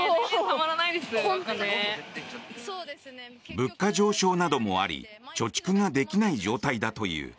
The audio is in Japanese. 物価上昇などもあり貯蓄ができない状態だという。